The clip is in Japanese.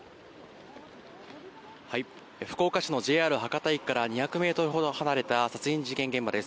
福岡市のＪＲ博多駅から２００ｍほど離れた殺人事件現場です